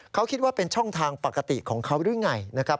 เขาคิดว่าเป็นช่องทางปกติของเขาหรือยังไง